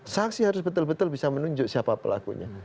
saksi harus betul betul bisa menunjuk siapa pelakunya